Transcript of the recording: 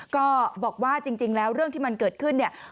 ก็บอกว่าจริงแล้วเรื่องที่มันเกิดขึ้นเนี่ย